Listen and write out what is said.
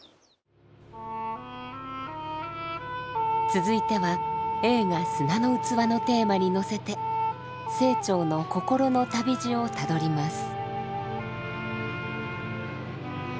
続いては映画「砂の器」のテーマに乗せて清張の心の旅路をたどります。